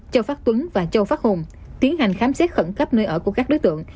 châu phát tuấn và châu phát hùng tiến hành khám xét khẩn cấp nơi ở của các đối tượng